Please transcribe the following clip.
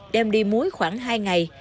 đem đi muối khoảng hai ngày